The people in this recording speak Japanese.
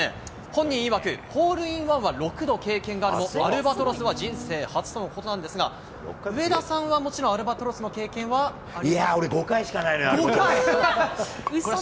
本人いわく、ホールインワンは６度経験があるも、アルバトロスは人生初とのことなんですが、上田さんはもちろん、いやー、俺、５回しかないの５回？